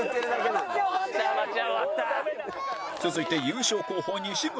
続いて優勝候補西村